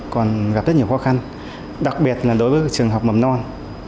còn gặp rất nhiều khó khăn đặc biệt là đối với trường học mầm non